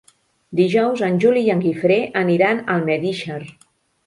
Dijous en Juli i en Guifré aniran a Almedíxer.